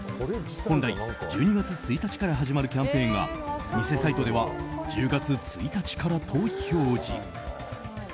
本来、１２月１日から始まるキャンペーンが偽サイトでは１０月１日からと表示。